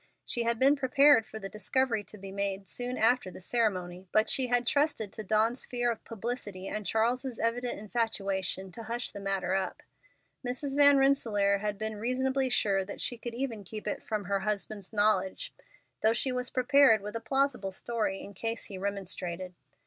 She had been prepared for the discovery to be made soon after the ceremony, but she had trusted to Dawn's fear of publicity, and Charles's evident infatuation, to hush the matter up. Mrs. Van Rensselaer had been reasonably sure that she could even keep it from her husband's knowledge, though she was prepared with a plausible story in case he remonstrated.